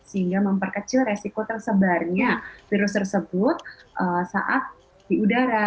sehingga memperkecil resiko tersebarnya virus tersebut saat di udara